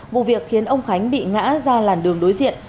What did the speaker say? vụ việc khiến ông khánh bị ngã ra làn đường đối diện